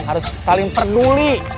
harus saling peduli